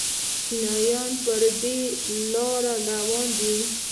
چینایان په دې لار روان دي.